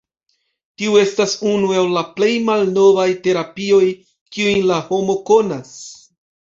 Tiu estas unu el la plej malnovaj terapioj, kiujn la homo konas.